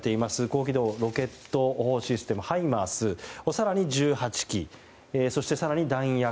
高軌道ロケット砲システムハイマースを更に１８基そして更に、弾薬。